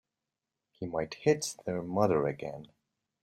He might hit their mother again.